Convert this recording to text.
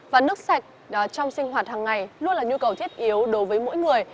và nước sạch trong sinh hoạt hàng ngày luôn là nhu cầu thiết yếu đối với mỗi người